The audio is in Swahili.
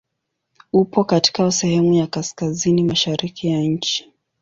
Upo katika sehemu ya kaskazini mashariki ya nchi.